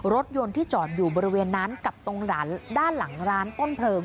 รถยนต์ที่จอดอยู่บริเวณนั้นกับตรงด้านหลังร้านต้นเพลิง